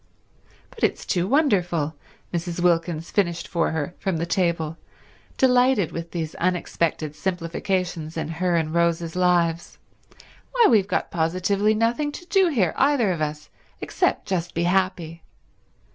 "But it's too wonderful," Mrs. Wilkins finished for her from the table, delighted with these unexpected simplifications in her and Rose's lives. "Why, we've got positively nothing to do here, either of us, except just be happy.